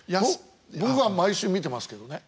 僕は毎週見てますけどね。